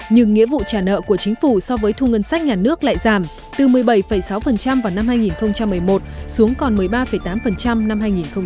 nhưng nghĩa vụ trả nợ của chính phủ so với thu ngân sách nhà nước lại giảm từ một mươi bảy sáu vào năm hai nghìn một mươi một xuống còn một mươi ba tám năm hai nghìn một mươi